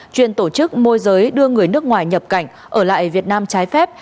chuyên tổ chức môi giới đưa người nước ngoài nhập cảnh ở lại việt nam trái phép